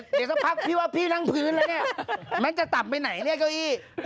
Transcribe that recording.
เดี๋ยวสักพักพี่ว่าพี่นั่งพื้นแล้วเนี่ยแม็กจะต่ำไปไหนเนี่ยเก้าอี้